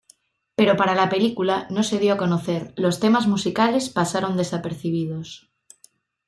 Pero para la película no se dio a conocer, los temas musicales pasaron desapercibidos.